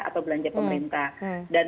atau belanja pemerintah dan